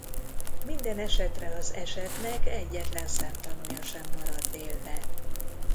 Mindenesetre az esetnek egyetlen szemtanúja sem maradt élve.